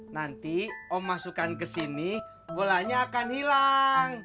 nanti om masukan ke sini bolanya akan hilang